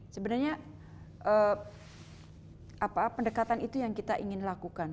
sebenarnya pendekatan itu yang kita ingin lakukan